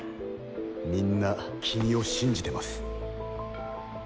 みんな君を信じてます。